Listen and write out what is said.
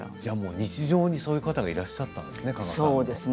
日常にそういう方がいらっしゃったんですね。